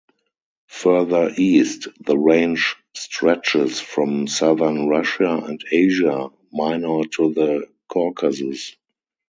Further east the range stretches from southern Russia and Asia minor to the Caucasus.